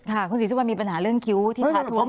ค่ะคุณศรีสุวรรณมีปัญหาเรื่องคิ้วที่ท้าท้วม